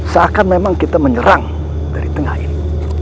seakan memang kita menyerang dari tengah ini